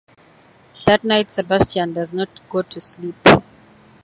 That night, Sebastian does not go to sleep.